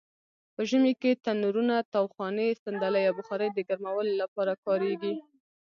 په ژمې کې تنرونه؛ تاوخانې؛ صندلۍ او بخارۍ د ګرمولو لپاره کاریږي.